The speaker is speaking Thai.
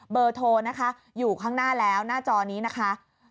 เบอร์โทรนะคะอยู่ข้างหน้าแล้วหน้าจอนี้นะคะ